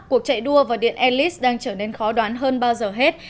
cuộc chạy đua vào điện elis đang trở nên khó đoán hơn bao giờ hết